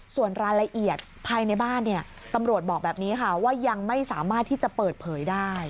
ส่วนรายละเอียดภายในบ้านตำรวจบอกแบบนี้ค่ะว่ายังไม่สามารถที่จะเปิดเผยได้